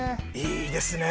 いいですね！